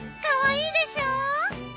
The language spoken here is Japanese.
かわいいでしょう？